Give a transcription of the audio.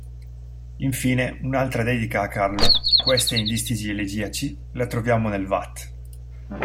Infine, un'altra dedica a Carlo, questa in distici elegiaci, la troviamo nel Vat.